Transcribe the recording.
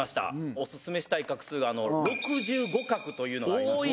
お薦めしたい画数が６５画というのがありまして。